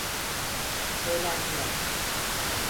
Söylentiler.